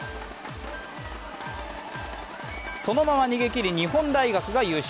そのまま逃げきり日本大学が優勝。